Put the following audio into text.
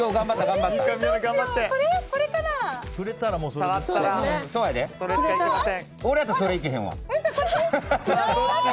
触ったらそれしかいけません。